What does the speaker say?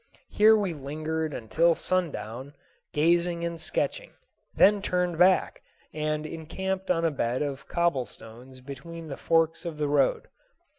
Here we lingered until sundown, gazing and sketching; then turned back, and encamped on a bed of cobblestones between the forks of the fiord.